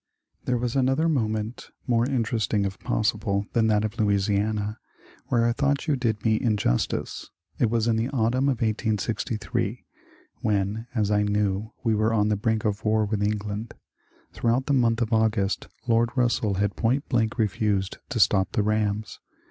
There was another moment more interesting if possible than that of Louisiana, where I thought you did me. injustice. It was in the autumn of 1863, when, as I knew, we were on the brink of war with England. Throughout the month of August Lord Bussell had point blank refused to stop the rams.